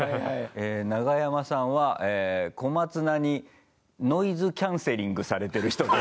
ナガヤマさんは小松菜にノイズキャンセリングされてる人です。